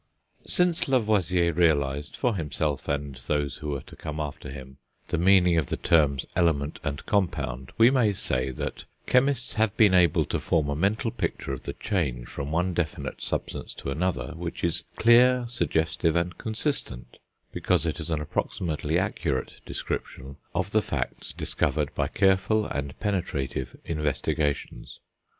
Since Lavoisier realised, for himself, and those who were to come after him, the meaning of the terms element and compound, we may say that chemists have been able to form a mental picture of the change from one definite substance to another, which is clear, suggestive, and consistent, because it is an approximately accurate description of the facts discovered by careful and penetrative investigations.